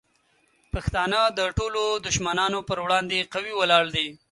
پښتانه د ټولو دشمنانو پر وړاندې قوي ولاړ دي.